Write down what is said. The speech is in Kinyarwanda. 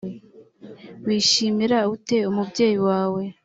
washimira ute umubyeyi wawe